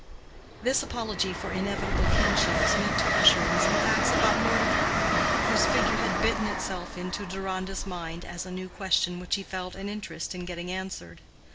This apology for inevitable kinship is meant to usher in some facts about Mordecai, whose figure had bitten itself into Deronda's mind as a new question which he felt an interest in getting answered.